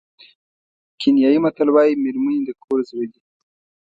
کینیايي متل وایي مېرمنې د کور زړه دي.